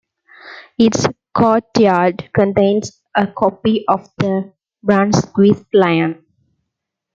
Its courtyard contains a copy of the Brunswick Lion.